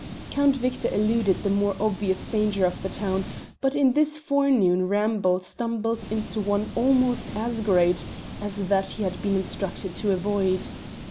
Count Victor eluded the more obvious danger of the town, but in his forenoon ramble stumbled into one almost as great as that he had been instructed to avoid.